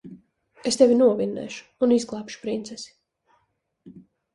Es tevi novinnēšu un izglābšu princesi.